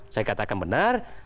saya katakan benar